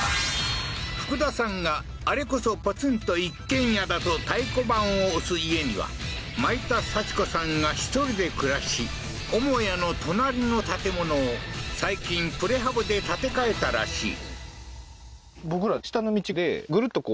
福田さんが「あれこそポツンと一軒家だ」と太鼓判を押す家にはマイタサチコさんが１人で暮らし母屋の隣の建物を最近プレハブで建て替えたらしい